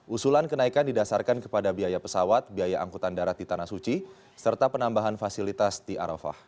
usulan kenaikan didasarkan kepada biaya pesawat biaya angkutan darat di tanah suci serta penambahan fasilitas di arafah